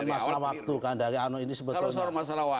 masa waktu kan dari anu ini sebetulnya